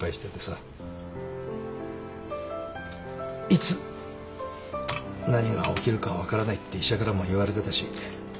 いつ何が起きるか分からないって医者からも言われてたし。